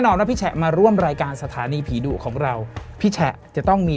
ว่าพี่แฉะมาร่วมรายการสถานีผีดุของเราพี่แฉะจะต้องมี